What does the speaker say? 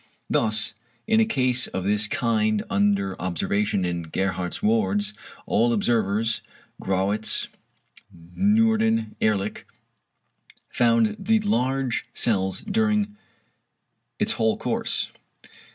Thus in a case of this kind under observation in Gerhardt's wards, all observers (Grawitz, v. Noorden, Ehrlich) found the large cells during its whole course.